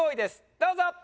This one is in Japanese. どうぞ。